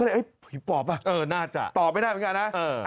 ก็เลยเอ้ยปอบอ่ะเออน่าจะตอบไม่ได้เหมือนกันนะเออ